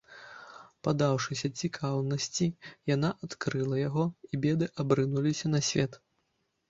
Паддаўшыся цікаўнасці, яна адкрыла яго, і беды абрынуліся на свет.